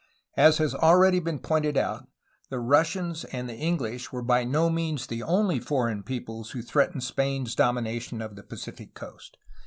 As has already been pointed out, the Russians and the English were by no means the only foreign peoples who threatened Spain's domination of the Pacific coast.